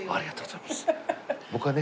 僕はね。